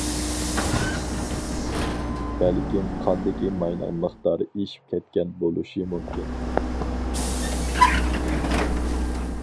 بەلكىم قاندىكى ماينىڭ مىقدارى ئېشىپ كەتكەن بولۇشى مۇمكىن.